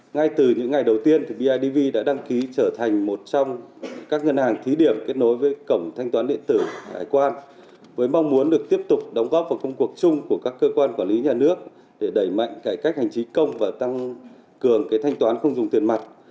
ngay từ những ngày đầu tiên bidv đã đăng ký trở thành một trong các ngân hàng thí điểm kết nối với cổng thanh toán điện tử hải quan với mong muốn được tiếp tục đóng góp vào công cuộc chung của các cơ quan quản lý nhà nước để đẩy mạnh cải cách hành chính công và tăng cường thanh toán không dùng tiền mặt